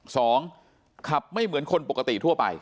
สองขับไม่เหมือนคนปกติทั่วไป